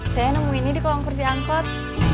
saya nemuin ini di kolong kursi angkot